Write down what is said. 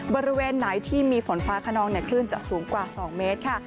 บริเวณไหนที่มีฝนฟ้าขนองคลื่นจะสูงกว่า๒เมตรค่ะ